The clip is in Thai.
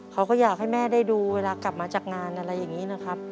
เขาก็อยากให้แม่ได้ดูเวลากลับมาจากงานอะไรอย่างนี้นะครับ